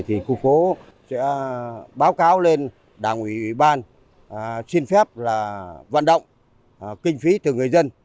thì khu phố sẽ báo cáo lên đảng ủy ủy ban xin phép là vận động kinh phí từ người dân